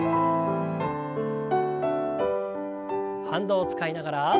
反動を使いながら。